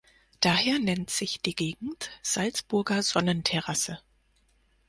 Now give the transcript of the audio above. Daher nennt sich die Gegend Salzburger Sonnenterrasse.